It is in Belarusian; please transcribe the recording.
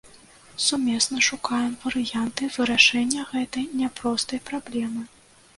Сумесна шукаем варыянты вырашэння гэтай няпростай праблемы.